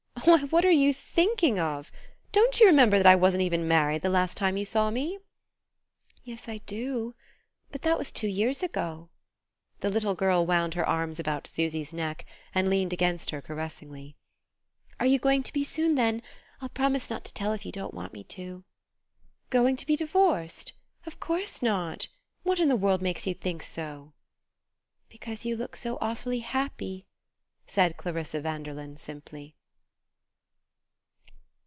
"Why, what are you thinking of? Don't you remember that I wasn't even married the last time you saw me?" "Yes; I do. But that was two years ago." The little girl wound her arms about Susy's neck and leaned against her caressingly. "Are you going to be soon, then? I'll promise not to tell if you don't want me to." "Going to be divorced? Of course not! What in the world made you think so? " "Because you look so awfully happy," said Clarissa Vanderlyn simply.